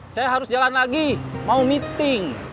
saya harus jalan lagi mau meeting